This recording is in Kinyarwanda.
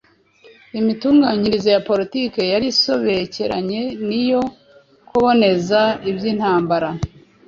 Imitunganyirize ya politiki yari isobekeranye n'iyo kuboneza iby'intambara